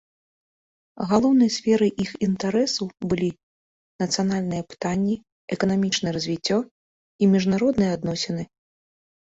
Галоўнай сферай іх інтарэсаў былі нацыянальныя пытанні, эканамічнае развіццё і міжнародныя адносіны.